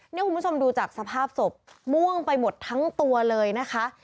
นี่คุณผู้ชมดูจากสภาพศพม่วงไปหมดทั้งตัวเลยนะคะ